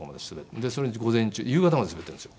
でそれで夕方まで滑ってるんですよ。